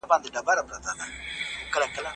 ګاونډی هیواد نړیوال ملاتړ نه هیروي.